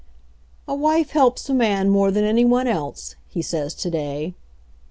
"A wife helps a man more than any one else," he says to day.